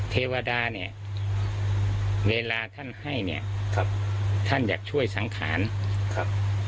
เทวดาเนี่ยเวลาท่านให้เนี่ยครับท่านอยากช่วยสังขารครับ